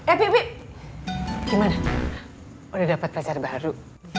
eh pi pi gimana udah dapat pacar baru